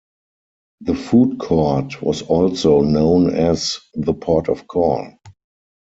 The food court was also known as the Port of Call.